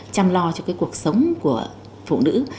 chăm lo cho cuộc sống của phụ nữ